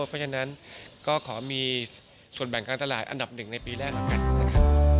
เพราะฉะนั้นก็ขอมีส่วนแบ่งกลางตลาดอันดับหนึ่งในปีแรก